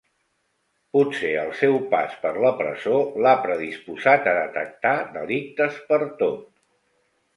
Potser el seu pas per la presó l'ha predisposat a detectar delictes pertot.